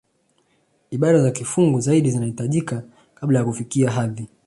Ibada za kifungu zaidi zinahitajika kabla ya kufikia hadhi